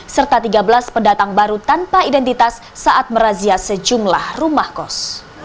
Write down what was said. serta tiga belas pendatang baru tanpa identitas saat merazia sejumlah rumah kos